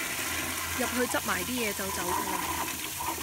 入去執埋啲嘢就走架喇